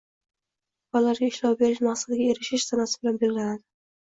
va ularga ishlov berish maqsadiga erishish sanasi bilan belgilanadi.